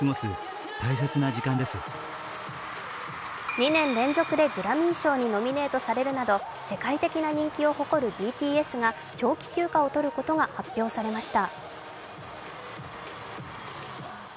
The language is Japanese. ２年連続でグラミー賞にノミネートされるなど世界的人気を誇るＢＴＳが長期休暇をとることが発表されました。